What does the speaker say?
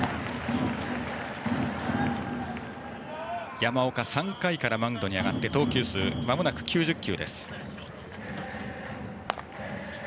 山岡、３回からマウンドに上がって投球数まもなく９０球。